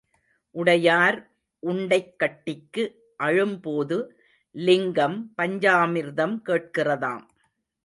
உடையார் உண்டைக் கட்டிக்கு அழும் போது லிங்கம் பஞ்சாமிர்தம் கேட்கிறதாம்.